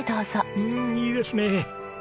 うーんいいですね！